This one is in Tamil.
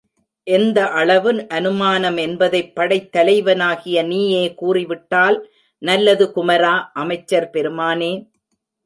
எந்த அளவு அநுமானம் என்பதைப் படைத் தலைவனாகிய நீயே கூறிவிட்டால் நல்லது குமரா அமைச்சர் பெருமானே!